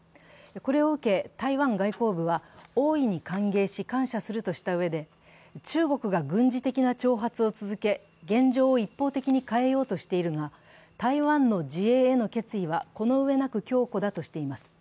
これを受け、台湾外交部は大いに歓迎し、感謝するとしたうえで、中国が軍事的な挑発を続け、現状を一方的に変えようとしているが、台湾の自衛への決意はこのうえなく強固だとしています。